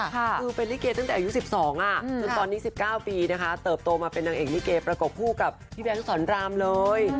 คือเป็นลิเกตั้งแต่อายุ๑๒จนตอนนี้๑๙ปีนะคะเติบโตมาเป็นนางเอกลิเกประกบคู่กับพี่แบงค์สอนรามเลย